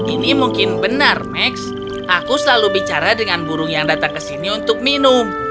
ini mungkin benar max aku selalu bicara dengan burung yang datang ke sini untuk minum